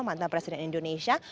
mantan presiden indonesia